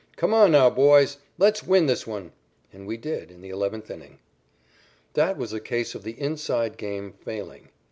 Come on now, boys. Let's win this one." And we did in the eleventh inning. That was a case of the "inside" game failing.